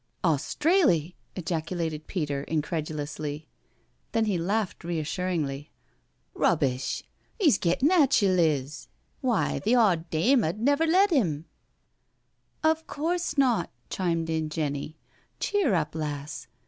"Australyl" ejaculated Peter incredulously. Then he laughed reassuringly. "Rubbish I '£'s gettin' at ye, Liz. Why, th' owd dame 'ud never let 'im." " Of course not," chimed in Jenny; " cheer up, lass.